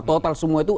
total semua itu